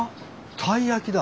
たい焼きだ。